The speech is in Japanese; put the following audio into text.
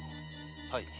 はい。